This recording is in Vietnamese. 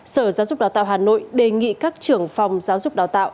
sở giáo dục đào tạo hà nội đề nghị các trưởng phòng giáo dục đào tạo